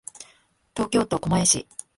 東京都狛江市